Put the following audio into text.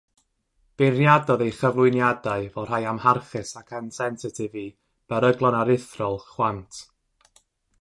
Beirniadodd ei chyflwyniadau fel rhai amharchus ac ansensitif i "beryglon aruthrol" chwant.